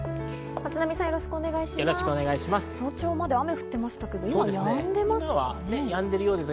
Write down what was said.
早朝まで雨が降ってましたけど、今やんでますね。